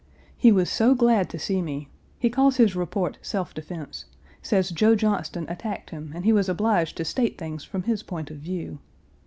He was so glad to see me. He calls his report self defense; says Joe Johnston attacked him and he was obliged to state things from his point of view.